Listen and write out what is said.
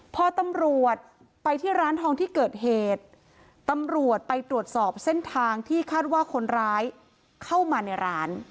พอตำรวจไปที่ร้านทองที่เกิดเหตุตำรวจไปตรวจสอบเส้นทางที่คาดว่าคนร้ายเข้ามาในร้าน